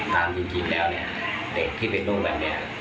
ตามจริงแล้วเนี่ยเด็กที่เป็นลูกแบบนี้